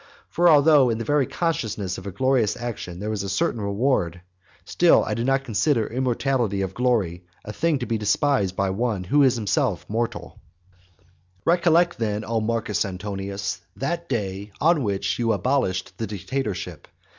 For although in the very consciousness of a glorious action there is a certain reward, still I do not consider immortality of glory a thing to be despised by one who is himself mortal. XLV. Recollect then, O Marcus Antonius, that day on which you abolished the dictatorship.